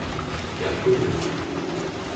yaqulek